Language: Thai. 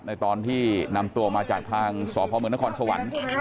ตอนที่นำตัวมาจากทางสพมนครสวรรค์